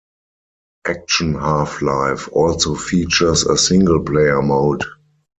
"Action Half-life" also features a single player mode.